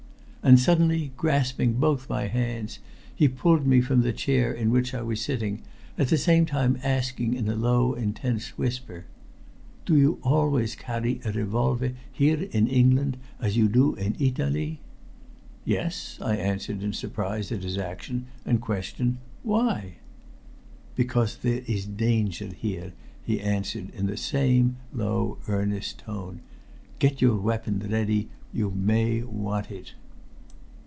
And suddenly grasping both my hands, he pulled me from the chair in which I was sitting, at the same time asking in a low intense whisper: "Do you always carry a revolver here in England, as you do in Italy?" "Yes," I answered in surprise at his action and his question. "Why?" "Because there is danger here," he answered in the same low earnest tone. "Get your weapon ready. You may want it."